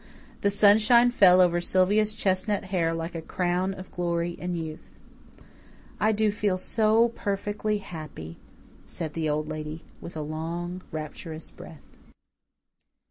The sunshine fell over Sylvia's chestnut hair like a crown of glory and youth. "I do feel so perfectly happy," said the Old Lady, with a long, rapturous breath.